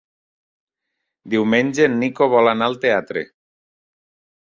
Diumenge en Nico vol anar al teatre.